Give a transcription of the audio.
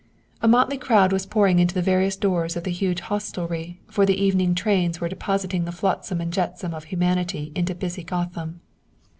A motley crowd was pouring into the various doors of the huge hostelry, for the evening trains were depositing the flotsam and jetsam of humanity into busy Gotham.